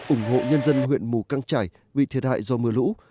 ủng hộ nhân dân huyện mù căng trải bị thiệt hại do mưa lũ